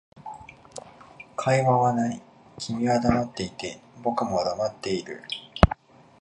会話はない、君は黙っていて、僕も黙っている